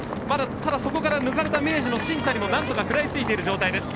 ただそこから抜かれた明治の新谷も何とか食らいついている状態です。